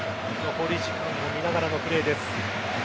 残り時間を見ながらのプレーです。